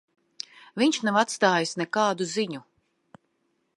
Viņš nav atstājis nekādu ziņu.